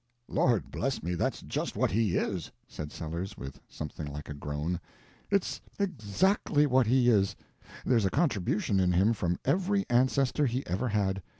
"Lord bless me, that's just what he is," said Sellers, with something like a groan, "it's exactly what he is; there's a contribution in him from every ancestor he ever had.